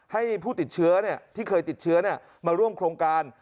ให้ผู้ติดเชื้อที่เคยติดเชื้อมาร่วมโครงการ